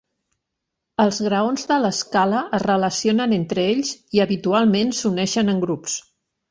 Els graons de l'escala es relacionen entre ells i habitualment s'uneixen en grups.